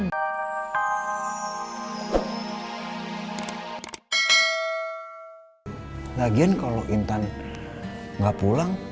lagian kalau intan nggak pulang